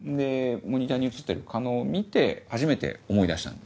モニターに写ってる狩野を見て初めて思い出したんですよ。